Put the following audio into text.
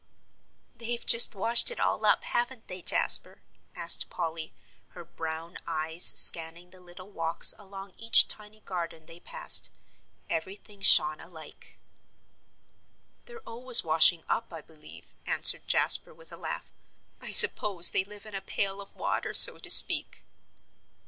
"They've just washed it all up, haven't they, Jasper?" asked Polly, her brown eyes scanning the little walks along each tiny garden they passed. Everything shone alike. "They're always washing up, I believe," answered Jasper, with a laugh. "I suppose they live in a pail of water, so to speak."